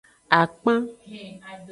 Akpan.